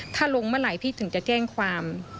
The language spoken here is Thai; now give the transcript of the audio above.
ถ้าลงเมื่อไหร่พี่ถึงจะแจ้งความ